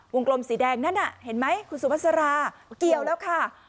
กลมสีแดงนั่นน่ะเห็นไหมคุณสุภาษาราเกี่ยวแล้วค่ะ